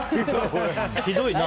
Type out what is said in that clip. ひどいな。